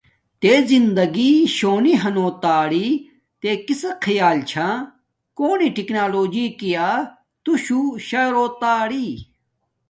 تے زندگی شونی ہنو تااری تے کسک خیال چھا کونی ٹکنالوجی کیا تو شو شا روتا ری۔